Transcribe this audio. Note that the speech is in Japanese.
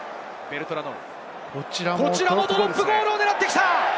こちらもドロップゴールを狙ってきた！